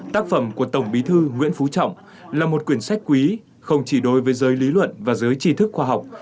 tác phẩm của tổng bí thư nguyễn phú trọng là một quyển sách quý không chỉ đối với giới lý luận và giới trí thức khoa học